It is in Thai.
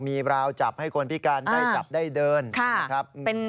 มีราวจับให้คนพิการได้จับได้เดินนะครับ